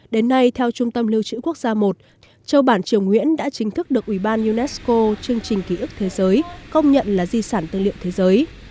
đến nay theo trung tâm lưu trữ quốc gia i châu bản triều nguyễn đã chính thức được ủy ban unesco chương trình ký ức thế giới công nhận là di sản tư liệu thế giới